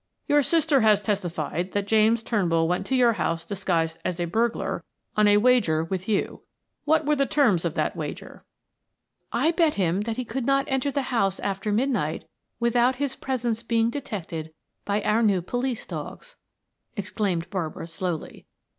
"Your sister has testified that James Turnbull went to your house disguised as a burglar on a wager with you. What were the terms of that wager?" "I bet him that he could not enter the house after midnight without his presence being detected by our new police dogs," exclaimed Barbara slowly.